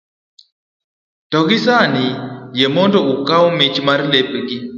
to gi sani, yie mondo ukaw mich mar lepegi